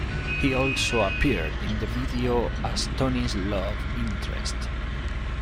He also appeared in the video as Toni's love interest.